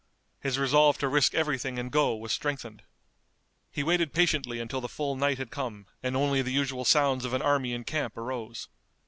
His resolve to risk everything and go was strengthened. He waited patiently until the full night had come and only the usual sounds of an army in camp arose.